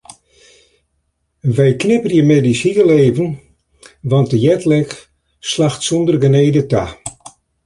Wy knipperje middeis hiel even want de jetlag slacht sonder genede ta.